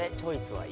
はい。